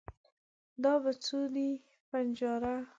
دا په څو دی ؟ بنجاره